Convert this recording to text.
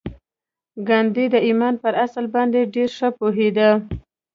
ګاندي د ایمان پر اصل باندې ډېر ښه پوهېده